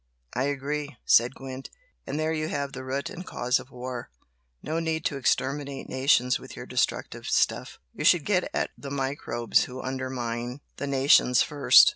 "I agree!" said Gwent "And there you have the root and cause of war! No need to exterminate nations with your destructive stuff, you should get at the microbes who undermine the nations first.